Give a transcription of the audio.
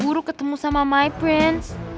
buru ketemu sama my prince